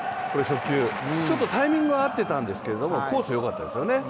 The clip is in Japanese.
タイミングはあってたんですけどコースはよかったんですよね。